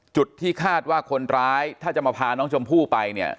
จุดที่คาดว่าคนร้ายถ้าจะมาพาน้องชมพู่ไปเนี่ย